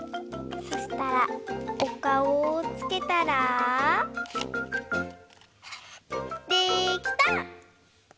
そしたらおかおをつけたらできた！